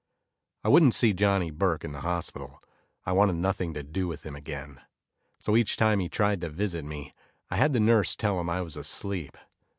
I wouldn't see Johnny Burke in the hospital; I wanted nothing to do with him again. So, each time he tried to visit me, I had the nurse tell him I was asleep.